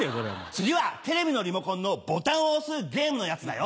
次はテレビのリモコンのボタンを押すゲームのやつだよ。